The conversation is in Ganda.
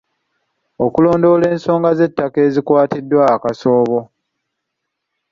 Okulondoola ensonga z'ettaka ezikwatiddwa akasoobo.